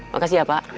makasih ya pak